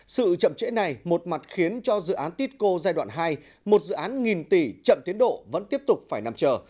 sự chậm trễ này một mặt khiến cho dự án titco giai đoạn hai một dự án nghìn tỷ chậm tiến độ vẫn tiếp tục phải nằm chờ